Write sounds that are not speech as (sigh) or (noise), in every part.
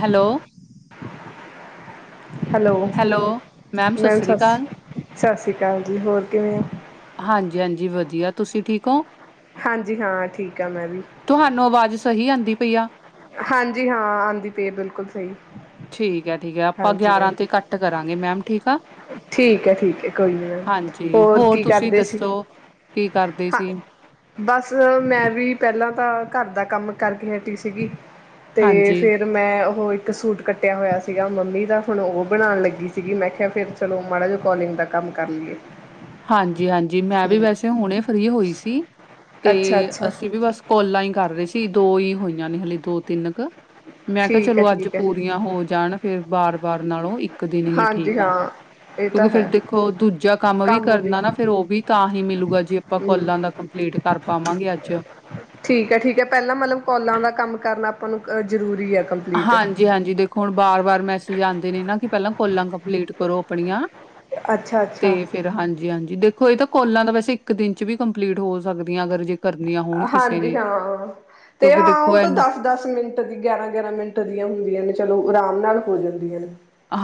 Hello. Hello, ਸਤਿ ma'am ਸ੍ਰੀ ਸਸ ਅਕਾਲ। ਸ ਸ਼੍ਰੀ ਕਾਲ ਜੀ, ਹੋਰ ਕਿਵੇਂ ਔ? ਹਾਂਜੀ-ਹਾਂਜੀ ਵਧੀਆ ਤੁਸੀਂ ਠੀਕ ਹੋ? ਹਾਂਜੀ, ਹਾਂ ਠੀਕ ਆ, ਮੈਂ ਵੀ‌। ਤੁਹਾਨੂੰ ਆਵਾਜ਼ ਸਹੀ ਆਂਦੀ ਪਈ ਆ। ਹਾਂਜੀ ਹਾਂ ਆਂਦੀ ਪੇ ਬਿਲਕੁਲ ਸਹੀ। ਠੀਕ। ਠੀਕ ਹੈ ਠੀਕ ਹੈ ਆਪਾਂ ਹਾਂਜੀ ਹਾਂ ਗਿਆਰਾਂ ਤੇ ਘੱਟ ਕਰਾਂਗੇ ਮੈਮ ਠੀਕ ਆ। ਠੀਕ ਹੈ ਠੀਕ ਹੈ ਕੋਈ ਨੀ ਮੈਮ, ਹਾਂਜੀ ਹੋਰ ਕੀ ਤੁਸੀਂ ਕਰਦੇ ਸੀ? ਦੱਸੋ ਕੀ ਕਰਦੇ ਹਾਂ ਸੀ? ਬਸ ਮੈਂ ਵੀ ਪੈਲਾਂ ਤਾਂ ਘਰ ਦਾ ਕੰਮ ਕਰਕੇ ਹਟੀ ਸੀਗੀ। ਤੇ ਹਾਂਜੀ। ਫੇਰ ਮੈਂ ਓਹ ਇੱਕ ਸੂਟ ਕੱਟਿਆ ਹੋਯਾ ਸੀਗਾ ਮੰਮੀ ਦਾ, ਹੁਣ ਔ ਬਣਾਣ ਲੱਗੀ ਸੀਗੀ ਮੈਂ ਕਿਹਾ ਫੇਰ ਚਲੋ ਮਾੜਾ ਜਾ ਕੋਲਿੰਗ ਦਾ ਕੰਮ ਕਰ ਲੀਏ। ਹਾਂਜੀ ਹਾਂਜੀ, ਮੈਂ ਵੀ ਵੈਸੇ ਹੁਣੇ ਫਰੀ ਹੋਈ ਸੀ, ਤੇ ਅੱਛਾ ਅੱਛਾ ਅਸੀਂ ਵੀ ਬਸ ਕੋਲਾ ਈ ਕਰ ਰੇ ਸੀ। ਤੀ ਦੋ ਈ ਹੋਈਆਂ ਨੇ ਹਲੇ ਦੋ ਤਿੰਨ ਕ ਮੈਂ ਕਿਆ ਠੀਕ ਹੈ ਚਲੋ, ਅੱਜ ਠੀਕ ਹੈ ਪੂਰੀਆਂ ਹੋ ਜਾਣ, ਫੇਰ ਬਾਰ ਬਾਰ ਨਾਲੋਂ ਇੱਕ ਕਦੀ ਲੇ ਹਾਂਜੀ ਠੀਕ ਆ ਹਾਂ ਇਹ ਤਾਂ ਕਿਉਂਕਿ ਫੇਰ ਹੈ ਦੇਖੋ ਦੂਜਾ ਕੰਮ ਵੀ ਕਰਨਾ ਨਾ ਫ਼ੇਰ ਓਹ ਵੀ ਤਾਂ ਹੀ ਮਿਲੂਗਾ ਜੇ ਅਪਾਂ ਹੂੰ ਕੋਲਾਂ ਦਾ ਕੰਪਲੀਟ ਕਰ ਪਾਵਾਂਗੇ ਅੱਜ। ਠੀਕ ਹੈ ਠੀਕ ਹੈ ਪਹਿਲਾਂ ਮਤਲਬ ਕੋਲਾਂ ਦਾ ਕੰਮ ਕਰਨਾ ਆਪਾਂ ਨੂੰ ਅ ਜ਼ਰੂਰੀ ਹੈ। ਕੰਪਲੀਟ ਹਾਂਜੀ ਹਾਂਜੀ ਦੇਖੋ ਹੁਣ ਬਾਰ ਬਾਰ ਮੈਸੇਜ ਆਉਂਦੇ ਨੇ ਨਾ ਕਿ ਪਹਿਲਾਂ ਕਾਲਾਂ ਕੰਪਲੀਟ ਕਰੋ ਆਪਣੀਆਂ। ਅੱਛਾ ਤੇ ਅੱਛਾ ਫੇਰ ਹਾਂਜੀ-ਹਾਂਜੀ ਦੇਖੋ ਇਹ ਤਾਂ ਕੋਲਾਂ ਦਾ ਵੈਸੇ ਇੱਕ ਦਿਨ ਚ ਵੀ ਕੰਪਲੀਟ ਹੋ ਸਕਦਾ। ਹਾਂਜੀ। ਹਾਂ, ਤੇ ਕਿਉਂਕਿ ਹਾਂ ਦੇਖੋ ਉਹ ਤਾਂ ਐਨ ਦਸ-ਦਸ ਮਿੰਟ ਦੀ ਗਿਆਰਾਂ-ਗਿਆਰਾਂ ਮਿੰਟ ੱਟ ਦੀਆਂ ਹੁੰਦੀਆਂ ਨੇ ਚਲੋ ਆਰਾਮ ਨਾਲ ਹੋ ਜਾਂਦੀਆਂ ਨੇ।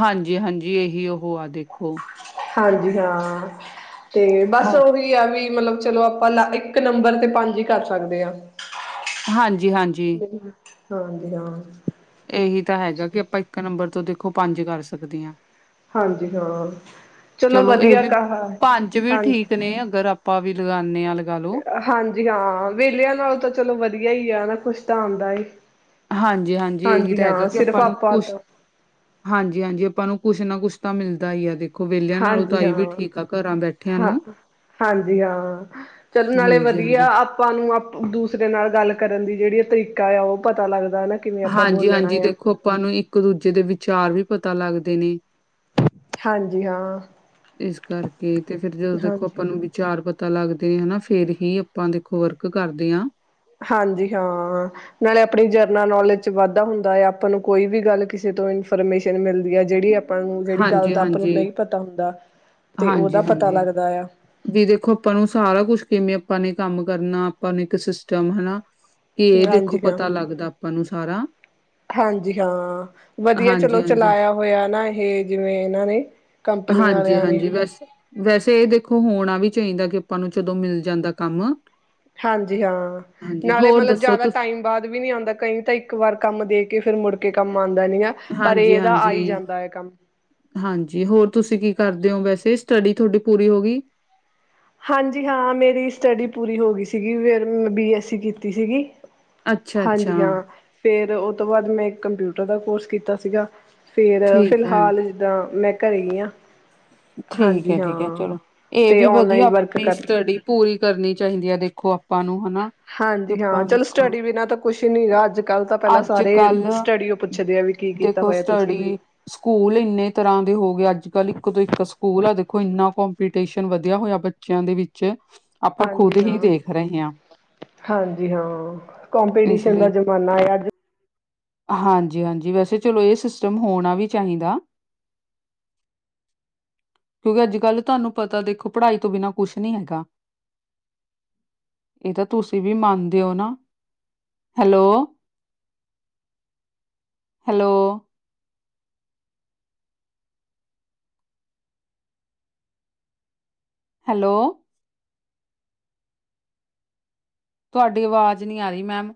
ਹਾਂਜੀ-ਹਾਂਜੀ ਇਹੀ ਉਹ ਆ ਦੇਖੋ ਹਾਂਜੀ। ਹਾਂ, ਤੇ, ਬਸ ਹੋ ਉਹੀ ਆ ਵੀ। ਮਤਲਬ ਚਲੋ ਆਪਾਂ ਲ ਇੱਕ ਨੰਬਰ ਤੇ ਪੰਜ ਹੀ ਕਰ ਸਕਦੇ ਆ। ਹਾਂਜੀ, ਹਾਂਜੀ। ਹਾਂਜੀ ਹਾਂ, ਇਹੀ ਤਾਂ ਹੈਗਾ। ਕਿ ਆਪਾਂ ਇੱਕ ਨੰਬਰ ਤੋਂ ਖੋ ਪੰਜ ਕਰ ਸਕਦੇ ਆ। ਹਾਂਜੀ। ਹਾਂ, ਚਲੋ ਇਹ ਵਧੀਆ ਵੀ ਕ ਹਾਂਜੀ-ਹਾਂਜੀ, ਪੰਜ ਵੀ ਠੀਕ ਨੇ ਅਗਰ ਆਪਾਂ ਵੀ ਲਗਾਨੇ ਆ ਲਗਾ ਲੋ। ਹਾਂ ਵੇਹਲਿਆਂ ਨਾਲੋਂ ਤਾਂ ਚਲੋ ਵਧੀਆ ਹੀ ਆ ਨਾ ਕੁਛ। ਤਾਂ ਆਂਦਾ ਏ। ਹਾਂਜੀ-ਹਾਂਜੀ, ਇਹੀ ਹਾਂਜੀ ਤਾਂ ਹੈਗਾ ਹਾਂ ਕਿ ਸਿਰਫ ਆਪਾਂ ਨੂੰ ਕੁਛ ਤੋਂ ਹਾਂਜੀ-ਹਾਂਜੀ ਆਪਾਂ ਨੂੰ। ਕੁਛ ਨਾ ਕੁਛ ਤਾਂ ਮਿਲਦਾ ਈ ਆ। ਵਿਹਲਿਆਂ ਨਾਲੋਂ ਤਾਂ ਹਾਂਜੀ, ਇਹ ਵੀ ਠੀਕ ਆ ਘਰਾਂ ਬੈਠਿਆਂ ਹਾਂ-ਹਾਂ ਨੂੰ ਹਾਂਜੀ ਹਾਂ, ਚਲੋ ਨਾਲੇ ਵਧੀਆ ਹਾਂਜੀ-ਹਾਂਜੀ, ਆਪਾਂ ਨੂੰ ਦੂਸਰੇ ਨਾਲ ਗੱਲ ਕਰਨ ਦੀ ਜਿਹੜੀ ਤਰੀਕਾ ਆ ਉਹ ਪਤਾ ਲੱਗਦਾ। ਨਾ ਕਿਵੇਂ ਆਪਾਂ ਹਾਂਜੀ ਬੋਲਣਾ ਹਾਂਜੀ, ਆ ਦੇਖੋ ਅੱਪਾਂ ਨੂੰ ਇੱਕ-ਦੂਜੇ ਦੇ ਵਿਚਾਰ ਵੀ ਪਤਾ ਲੱਗਦੇ ਨੇ। ਹਾਂਜੀ ਹਾਂ ਇਸ ਕਰਕੇ ਤੇ ਫੇਰ ਜਦੋਂ ਦੇਖੋ ਹਾਂਜੀ ਆਪਾਂ ਨੂੰ ਵਿਚਾਰ ਪਤਾ ਪਤਾ ਲੱਗਦੇ ਹਨਾ। ਫੇਰ ਹੀ ਆਪਾਂ ਦੇਖੋ ਵਰਕ ਕਰਦੇ ਆ। ਹਾਂਜੀ ਹਾਂ, ਨਾਲੇ ਆਪਣੀ ਜਰਨਲ ਨੋਲੇਜ ਵਾਧਾ ਹੁੰਦਾ ਆ। ਆਪਾਂ ਨੂੰ ਕੋਈ ਵੀ ਗੱਲ ਕਿਸੇ ਤੋਂ ਇਨਫੋਰਮੇਸ਼ਨ ਮਿਲਦੀ ਹੈ ਜਿਹੜੀ ਆਪ। ਆਪਾਂ ਨੂੰ ਜਿਹੜੀ ਗੱਲ ਦਾ ਆਪਾਂ ਨੂੰ ਹਾਂਜੀ-ਹਾਂਜੀ, ਨਹੀਂ ਪਤਾ ਹੁੰਦਾ। ਤੇ ਉਹਦਾ ਪਤਾ ਹਾਂਜੀ-ਹਾਂਜੀ, ਲੱਗਦਾ ਆ ਵੀ ਦੇਖੋ ਆਪਾਂ ਨੂੰ ਸਾਰਾ ਕੁਛ ਕਿਵੇਂ ਅੱ‍ਪਾਂ ਨੀ ਕੰਮ ਕਰਨਾ, ਅੱਪਾਂ ਨੂੰ ਇੱਕ ਸਿਸਟਮ ਹਨਾ। ਕਿ ਇਹ ਦੇਖੋ ਹਾਂਜੀ ਹਾ। ਪਤਾ ਲੱਗਦਾ ਆਪਾਂ ਨੂੰ ਸਾਰਾ ਹਾਂਜੀ ਹਾਂ, ਵਧੀਆ ਚਲੋ ਹਾਂਜੀ-ਹਾਂਜੀ ਚਲਾਇਆ ਹੋਇਆ ਨਾ ਇਹ ਜਿਵੇਂ ਇਹਨਾਂ ਨੇ। ਕੰਪਨੀਆਂ ਵਾਲਿਆਂ ਨੇ। ਹਾਂਜੀ-ਹਾਂਜੀ ਵੈਸੇ, ਵੈਸੇ ਇਹ ਦੇਖੋ। ਹੋਣਾ ਵੀ ਚਾਹੀਦਾ ਕਿ ਆਪਾਂ ਨੂੰ ਜਦੋਂ ਮਿਲ ਜਾਂਦਾ ਕੰਮ। ਹਾਂਜੀ ਹਾਂ ਹਾਂਜੀ ਨਾਲੇ ਹੋਰ ਮਤਲਬ ਦੱਸੋ ਜਿਆਦਾ ਤੁ ਟਾਈਮ ਬਾਅਦ ਵੀ ਨੀ ਆਉਂਦਾ ਕਈ ਤਾਂ ਇੱਕ ਵਾਰ ਕੰਮ ਦੇਖ ਕੇ ਫ਼ਿਰ ਮੁੜਕੇ ਕੰਮ ਆਉਂਦਾ ਨੀ ਆ ਪਰ ਇਹਦਾ ਹਾਂਜੀ-ਹਾਂਜੀ। ਆਈ ਹਾਂਜੀ ਜਾਂਦਾ ਹੈ ਕੰਮ ਹਾਂਜੀ ਹੋਰ ਤੁਸੀਂ ਕੀ ਕਰਦੇ ਹੋ ਵੈਸੇ ਸਟੱਡੀ ਤੁਹਾਡੀ ਪੂਰੀ ਹੋ ਗਈ? ਹਾਂਜੀ ਹਾਂ ਮੇਰੀ ਸਟੱਡੀ ਪੂਰੀ ਹੋ ਗਈ ਸੀਗੀ ਫਿਰ ਮੈ ਬੀ-ਐੱਸੀ ਕੀਤੀ ਸੀਗੀ ਅੱਛਾ-ਅੱਛਾ ਹਾਂਜੀ ਹਾਂ ਫੇਰ ਅਤੇ ਉਹ ਤੋਂ ਬਾਅਦ ਮੈਂ ਕੰਪਿਊਟਰ ਦਾ ਕੋਰਸ ਕੀਤਾ ਸੀਗਾ। ਫੇਰ ਠੀਕ ਹੈ, ਫਿਲਹਾਲ ਜਿੱਦਾਂ ਮੈਂ ਘਰੇ ਹੀ ਆ ਠੀਕ ਹੈ ਠੀਕ ਹੈ ਚਲੋ ਇਹ ਤੇ ਵੀ ਵਧੀਆ ਔਨਲਾਈਨ ਵਰਕ ਆਪਣੀ ਕਰ ਸਟੱਡੀ ਪੂਰੀ ਕਰਨੀ ਚਾਹੀਦੀ ਹੈ (inaudible) ਕਿ ਹਾਂਜੀ ਹਾਂ ਆਪਾਂ ਚਲੋ ਦੇਖੋ ਸਟੱਡੀ ਬਿਨਾਂ ਤਾਂ ਕੁਛ ਨਹੀਂ ਗਾ ਅੱਜ ਕੱਲ੍ਹ ਤਾਂ ਪਹਿਲਾਂ ਅੱਜ ਸਾਰੇ ਕੱਲ ਸਟੱਡੀ ਓ ਪੁੱਛਦੇ ਆ ਵੀ ਕੀ ਕੀਤਾ ਦੇਖੋ ਹੋਇਆ ਤੁਸੀਂ ਸਟੱਡੀ ਸਕੂਲ ਇੰਨੇ ਤਰ੍ਹਾਂ ਦੇ ਹੋ ਗਏ ਅੱਜ ਕੱਲ੍ਹ ਇੱਕ ਤੋਂ ਇੱਕ ਸਕੂਲ ਆ ਦੇਖੋ ਇੰਨਾ ਕੋਂਪੀਟੀਸ਼ਨ ਵਧੀਆ ਹੋਇਆ ਬੱਚਿਆਂ ਦੇ ਵਿੱਚ ਆਪਾਂ ਹਾਂਜੀ ਖੁਦ ਹੀ ਹਾਂ ਦੇਖ ਰਹੇ ਹਾਂ ਹਾਂਜੀ ਹਾਂ ਕੋਂਪੀਟੀਸ਼ਨ ਦਾ ਜਮਾਨਾ ਅੱਜ ਹਾਂਜੀ-ਹਾਂਜੀ ਵੈਸੇ ਚਲੋ ਇਹ ਸਿਸਟਮ ਹੋਣਾ ਵੀ ਚਾਹੀਦਾ, ਕਿਉਂਕਿ ਅੱਜ-ਕੱਲ ਤੁਹਾਨੂੰ ਪਤਾ ਦੇਖੋ ਪੜ੍ਹਾਈ ਤੋਂ ਬਿਨਾਂ ਕੁਛ ਨੀ ਹੈਗਾ ਇਹ ਤਾਂ ਤੁਸੀਂ ਵੀ ਮੰਨਦੇ ਹੋ ਨਾ, ਹੈਲੋ। ਹੈਲੋ ਹੈਲੋ ਤੁਹਾਡੀ ਆਵਾਜ਼ ਨਹੀਂ ਆ ਰਹੀ ਮੈਮ।